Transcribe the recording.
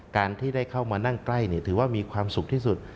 การที่ได้เข้ามานั่งใกล้ถือว่ามีความสุขที่สุด